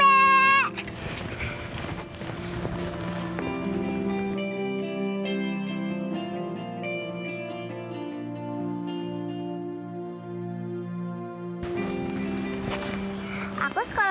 aku akan menyesal